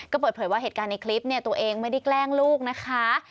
ก็เปิดเผยว่าเหตุการณ์ในคลิปเนี่ยตัวเองไม่ได้แกล้งลูกนะคะ